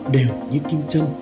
đều như kim châm